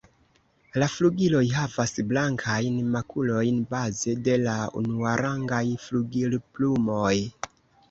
La flugiloj havas blankajn makulojn baze de la unuarangaj flugilplumoj.